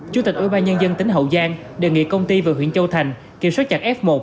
chủ tịch ủy ban nhân dân tỉnh hậu giang đề nghị công ty và huyện châu thành kiểm soát chặt f một